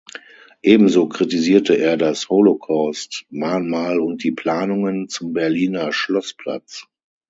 Ebenso kritisierte er das Holocaust-Mahnmal und die Planungen zum Berliner Schlossplatz.